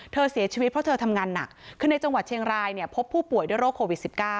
เสียชีวิตเพราะเธอทำงานหนักคือในจังหวัดเชียงรายเนี่ยพบผู้ป่วยด้วยโรคโควิด๑๙